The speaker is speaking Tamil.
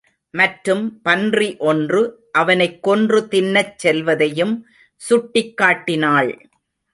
மற்றும் பன்றி ஒன்று அவனைக் கொன்று தின்னச் செல்வதையும் சுட்டிக் காட்டினாள்.